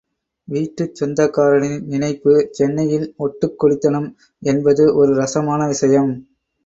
வீட்டுச் சொந்தக்காரனின் நினைப்பு சென்னையில் ஒட்டுக் குடித்தனம் என்பது ஒரு ரசமான விஷயம்.